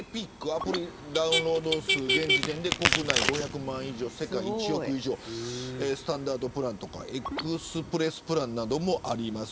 アプリダウンロード数現時点で国内で５００万以上世界で１億以上ＳｔａｎｄａｒｄプランとかＥｘｐｒｅｓｓプランもあります。